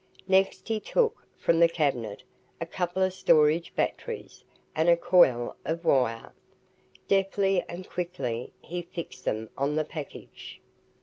Next he took from the cabinet a couple of storage batteries and a coil of wire. Deftly and quickly he fixed them on the package.